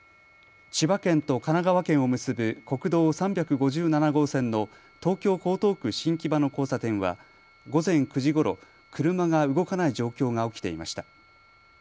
千葉県と神奈川県を結ぶ国道３５７号線の東京江東区新木場の交差点は午前９時ごろ、車が動かない状況が起きていました。